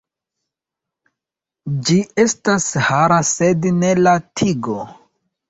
Ĝi estas hara sed ne la tigo.